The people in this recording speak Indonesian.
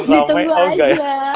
ditunggu aja ya